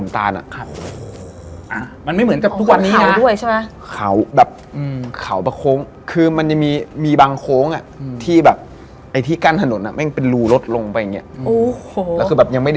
ที่ดูสถิติ